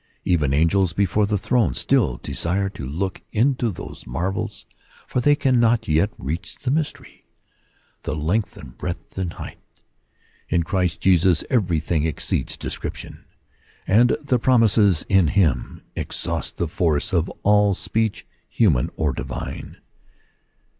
Even angels before the throne still desire to look into these marvels, for they cannot yet reach the mystery — the length, and breadth, and height. In Christ Jesus everything exceeds description ; and the promises in him ex haust the force of all speech, human or divine.